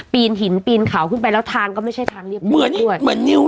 ปีนหินปีนเขาขึ้นไปแล้วทางก็ไม่ใช่ทางเรียบรีบด้วยเหมือนเหมือนนิ้วเนอะ